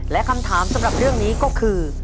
และคำถามสำหรับเรื่องนี้ก็คือ